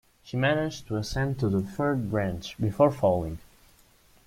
She managed to ascend to the third branch, before falling.